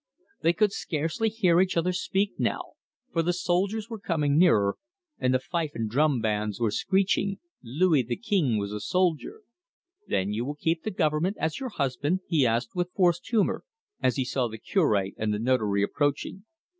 They could scarcely hear each other speak now, for the soldiers were coming nearer, and the fife and drum bands were screeching, 'Louis the King was a Soldier'. "Then you will keep the government as your husband?" he asked, with forced humour, as he saw the Cure and the Notary approaching.